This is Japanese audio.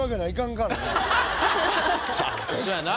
そやな。